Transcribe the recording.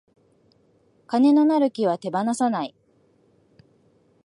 金のなる木は手放さない